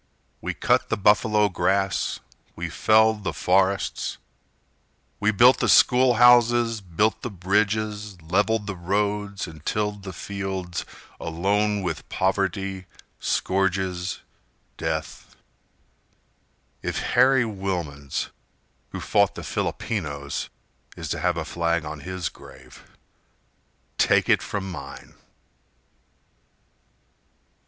We cut the buffalo grass, We felled the forests, We built the school houses, built the bridges, Leveled the roads and tilled the fields Alone with poverty, scourges, death— If Harry Wilmans who fought the Filipinos Is to have a flag on his grave Take it from mine.